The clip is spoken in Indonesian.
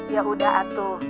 ya udah atuh